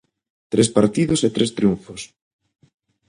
Tres partidos e tres triunfos.